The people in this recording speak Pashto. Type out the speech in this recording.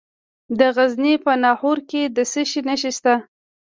د غزني په ناهور کې د څه شي نښې شته؟